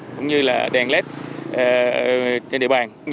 cũng như là đèn led trên địa bàn